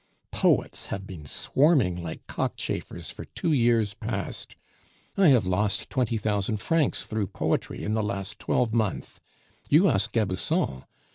Poets have been swarming like cockchafers for two years past. I have lost twenty thousand francs through poetry in the last twelvemonth. You ask Gabusson!